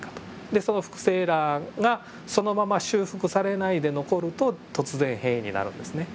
でその複製エラーがそのまま修復されないで残ると突然変異になるんですね。